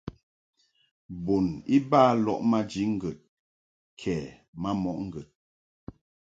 Bun iba lɔʼ maji ŋgəd kɛ ma mɔʼ ŋgəd.